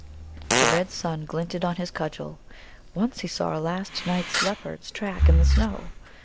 The red sun glinted on his cudgel. Once he saw a last night's leopard's track in the snow.